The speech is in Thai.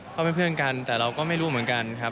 เขาเป็นเพื่อนกันแต่เราก็ไม่รู้เหมือนกันครับ